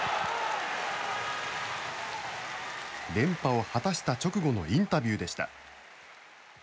連覇を果たした直後のインタビューでした。